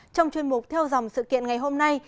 trong chuyên mục theo dòng sự kiện ngày hôm nay